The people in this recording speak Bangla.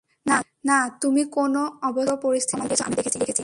না, তুমি কোন অবস্থায় পুরো পরিস্থিতিটা সামাল দিয়েছো আমি দেখেছি।